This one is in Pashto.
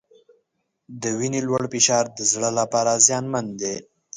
د وینې لوړ فشار د زړه لپاره زیانمن دی.